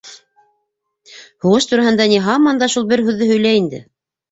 — Һуғыш тураһында ни, һаман да шул бер һүҙҙе һөйләй инде.